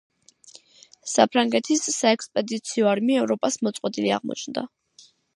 საფრანგეთის საექსპედიციო არმია ევროპას მოწყვეტილი აღმოჩნდა.